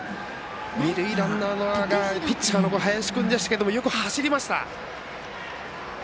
二塁ランナーがピッチャーの林君でしたけどよく走りました。